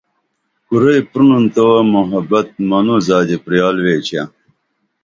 کُرئی پرینُن تووہ محبت منوں زادی پریال ویچہ